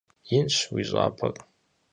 Инщ уи щӀапӀэр.